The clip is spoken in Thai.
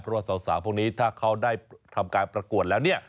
เพราะว่าสาวพวกนี้ถ้าเขาได้ทำการประกวดแล้วเนี่ย